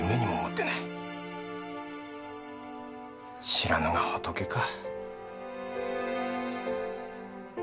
知らぬが仏か。